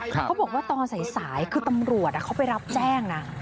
เขาบอกว่าตอนสายคือตำรวจเขาไปรับแจ้งนะ